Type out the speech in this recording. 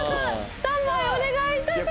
スタンバイお願いいたします